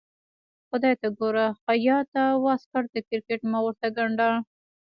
خدای ته ګوره خياطه واسکټ د کرکټ مه ورته ګنډه.